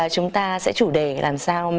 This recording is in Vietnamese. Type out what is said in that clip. chúng ta sẽ chủ đề làm sao